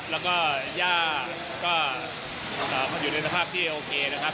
แล้วก็ย่าก็อยู่ในสภาพที่โอเคนะครับ